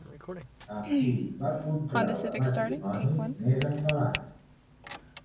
Amb qui va contraure matrimoni més endavant?